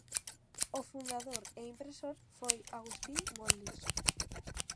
O fundador e impresor foi Agustín Moldes.